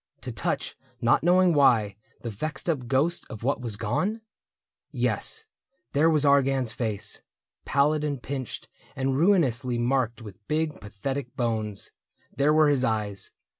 To touch, not knowing why, the vexed up ghost Of what was gone ? Yes, there was Argan's face. Pallid and pinched and ruinously marked With big pathetic bones; there were his eyes.